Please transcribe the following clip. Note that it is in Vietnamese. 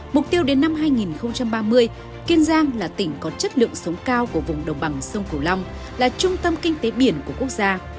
mục tiêu đến năm hai nghìn ba mươi kiên giang là tỉnh có chất lượng sống cao của vùng đồng bằng sông cửu long là trung tâm kinh tế biển của quốc gia